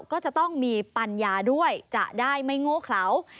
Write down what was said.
ก็จะต้องมีปัญญาด้วยจะได้ไม่โง่เขลา